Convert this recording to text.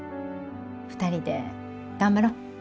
２人で頑張ろう。